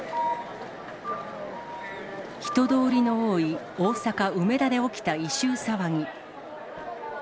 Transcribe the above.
人通りの多い大阪・梅田で起きた異臭騒ぎ。